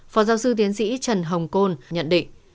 phó giáo sư tiến sĩ trần hồng côn nhận định